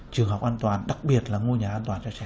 trường học an toàn đặc biệt là ngôi nhà an toàn cho trẻ em